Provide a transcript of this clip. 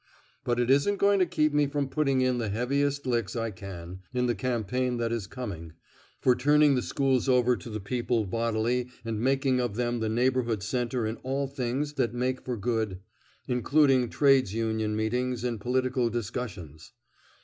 But it isn't going to keep me from putting in the heaviest licks I can, in the campaign that is coming, for turning the schools over to the people bodily, and making of them the neighborhood centre in all things that make for good, including trades union meetings and political discussions.